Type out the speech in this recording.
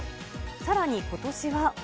さらにことしは。